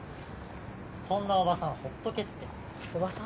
そんなおばさんほっとけっておばさん！？